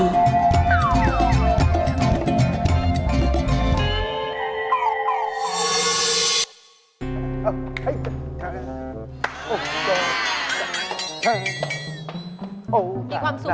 มีความสุขเนอะ